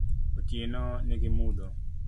Otieno ni gi mudho